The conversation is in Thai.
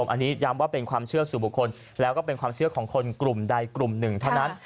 อันนี้ย้ำว่าเป็นความเชื่อสู่บุคคลแล้วก็เป็นความเชื่อของคนกลุ่มใดกลุ่มหนึ่งเท่านั้น